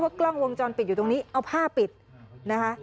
กล้องวงจรปิดอยู่ตรงนี้เอาผ้าปิดนะคะ